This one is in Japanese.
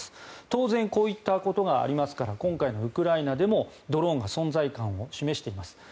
当然こういったことがありますから今回のウクライナでもドローンが存在感を示しています。